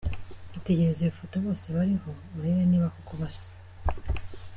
Itegereze iyo foto bose bariho urebe niba koko basa.